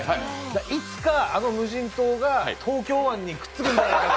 いつかあの無人島が東京湾にくっつくんじゃないかと。